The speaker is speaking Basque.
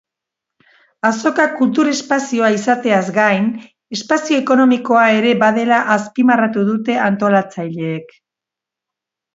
Azoka kultur espazioa izateaz gain, espazio ekonomikoa ere badela azpimarratu dute antolatzaileek.